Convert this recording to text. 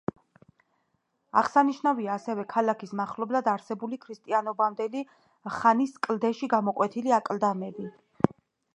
აღსანიშნავია ასევე ქალაქის მახლობლად არსებული ქრისტიანობამდელი ხანის კლდეში გამოკვეთილი აკლდამები.